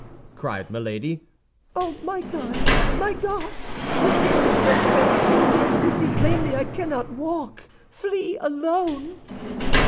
cried Milady. "Oh, my God, my God! you see my strength fails me; you see plainly I cannot walk. Flee alone!"